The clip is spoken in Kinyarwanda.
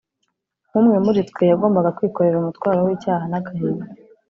Nk’umwe muri twe, yagombaga kwikorera umutwaro w’icyaha n’agahinda